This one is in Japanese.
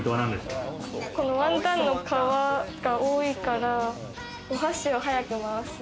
このワンタンの皮が多いから、お箸を早く回す。